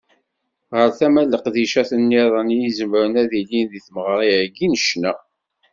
Ɣer tama n leqdicat-nniḍen i izemren ad ilin deg tmeɣra-agi n ccna.